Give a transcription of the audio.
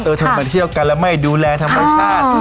เออเธอมาเที่ยวกันแล้วไม่ดูแลทำประชาติ